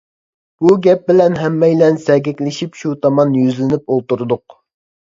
بۇ گەپ بىلەن ھەممەيلەن سەگەكلىشىپ شۇ تامان يۈزلىنىپ ئولتۇردۇق.